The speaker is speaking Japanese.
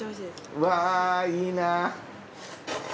うわぁいいな。